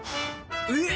えっ！